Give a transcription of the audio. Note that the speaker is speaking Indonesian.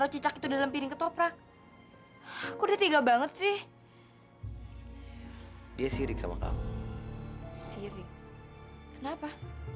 cincang itu dalam piring ke toprak aku udah tiga banget sih dia sirik sama kamu sirik kenapa